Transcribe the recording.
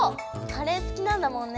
カレーすきなんだもんね。